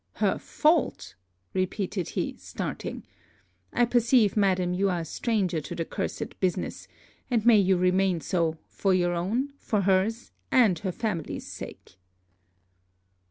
'Her fault!' repeated he, starting. 'I perceive madam, you are a stranger to the cursed business; and may you remain so, for your own, for her's, and her family's sake.'